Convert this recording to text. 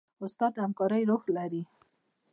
استاد د همکارۍ روح لري.